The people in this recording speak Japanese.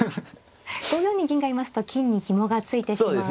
５四に銀がいますと金にひもが付いてしまうので。